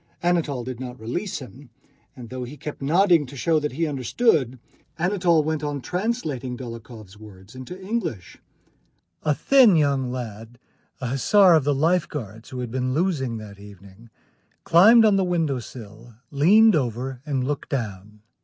Anatole did not release him, and though he kept nodding to show that he understood, Anatole went on translating Dólokhov's words into English. A thin young lad, an hussar of the Life Guards, who had been losing that evening, climbed on the window sill, leaned over, and looked down.